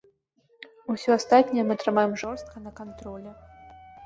Усё астатняе мы трымаем жорстка на кантролі.